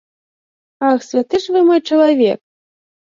Ах, святы ж вы мой чалавек!